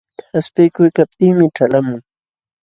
Qaspiykuykaptinmi ćhalqamun.